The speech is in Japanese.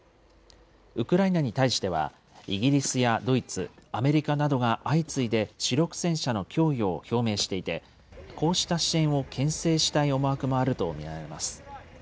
ウクライナに対しては、イギリスやドイツ、アメリカなどが相次いで主力戦車の供与を表明していて、こうした支援をけん制したい思惑もあると見られます。